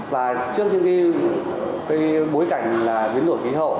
và trước những cái bối cảnh biến đổi khí hậu